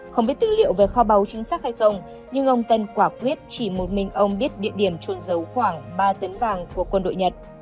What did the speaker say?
không biết tư liệu về kho báu chính xác hay không nhưng ông tân quả quyết chỉ một mình ông biết địa điểm trôn giấu khoảng ba tấn vàng của quân đội nhật